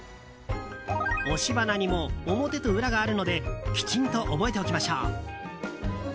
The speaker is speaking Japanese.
押し花にも表と裏があるのできちんと覚えておきましょう。